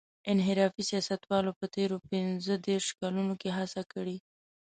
انحرافي سیاستوالو په تېرو پينځه دېرشو کلونو کې هڅه کړې.